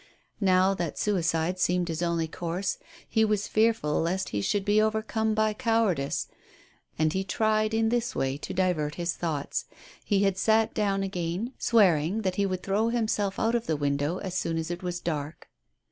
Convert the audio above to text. Now that suicide seemed his only course he was fearful lest he should be over come by cowardice, and he tried in this way to divert his thoughts. He had sat down again, swearing that he would throw himself out of the window as soon as it was dark.